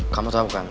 kamu tau kan